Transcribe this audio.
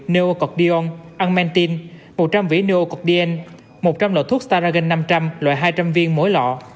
neocordion unmantin một trăm linh vỉ neocordien một trăm linh loại thuốc staragon năm trăm linh loại hai trăm linh viên mỗi lọ